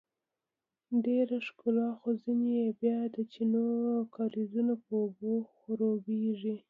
ډیره ښکلا خو ځینې یې بیا د چینو او کاریزونو په اوبو خړوبیږي.